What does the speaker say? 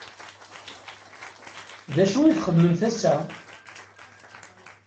D acu i txedmemt ass-a?